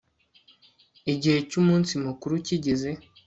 igihe cy'umunsi mukuru kigeze